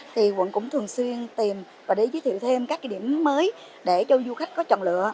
thì quận cũng thường xuyên tìm và để giới thiệu thêm các cái điểm mới để cho du khách có chọn lựa